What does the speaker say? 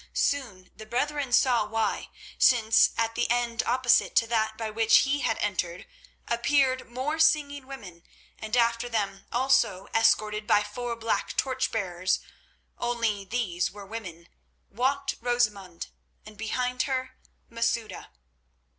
Soon the brethren saw why, since at the end opposite to that by which he had entered appeared more singing women, and after them, also escorted by four black torch bearers, only these were women, walked Rosamund and, behind her, Masouda.